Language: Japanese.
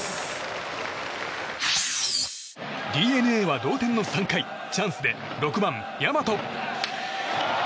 ＤｅＮＡは同点の３回チャンスで６番、大和。